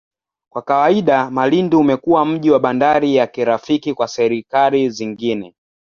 Kwa kawaida, Malindi umekuwa mji na bandari ya kirafiki kwa serikali zingine.